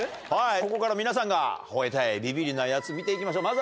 ここから皆さんが吠えたいビビリなヤツ見て行きましょう。